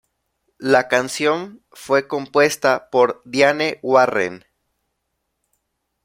La canción fue compuesta por Diane Warren.